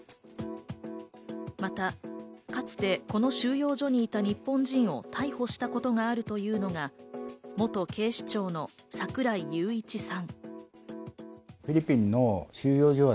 また、かつてこの収容所にいた日本人を逮捕したことがあるというのが、元警視庁の櫻井裕一さん。